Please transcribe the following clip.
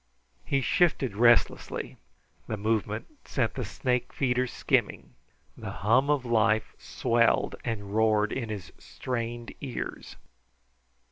He shifted restlessly; the movement sent the snake feeders skimming. The hum of life swelled and roared in his strained ears.